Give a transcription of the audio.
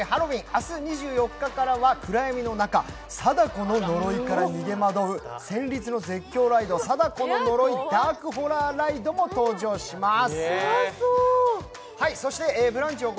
明日２４日からは暗闇の中貞子ののろいから逃げ惑う戦慄の絶叫ライド、貞子の呪いダーク・ホラー・ライドも登場します。